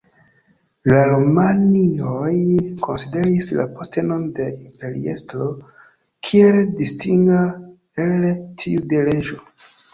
La Romianoj konsideris la postenon de imperiestro kiel distinga el tiu de reĝo.